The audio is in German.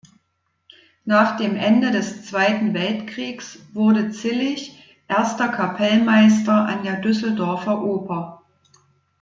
Nach dem Ende des Zweiten Weltkriegs wurde Zillig Erster Kapellmeister an der Düsseldorfer Oper.